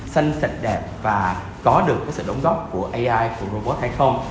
xanh sạch đẹp và có được sự đóng góp của ai của robot hay không